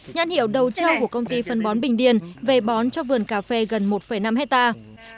nhãn hiệu đầu châu của công ty phân bón bình điền về bón cho vườn cà phê gần một năm hectare